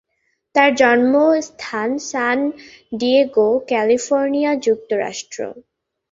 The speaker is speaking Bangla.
তার জন্মস্থান সান ডিয়েগো, ক্যালিফোর্নিয়া, যুক্তরাষ্ট্র।